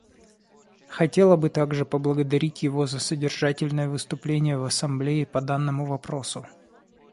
Хотела бы также поблагодарить его за содержательное выступление в Ассамблее по данному вопросу.